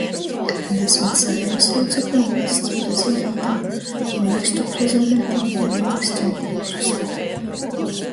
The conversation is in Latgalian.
Desmit Saeimys lūceklim, Vaļsts Prezidentam, ministru prezidentam voi ministram pīprosūt,